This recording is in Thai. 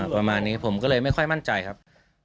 ประมาณนี้ผมก็เลยไม่ค่อยมั่นใจครับ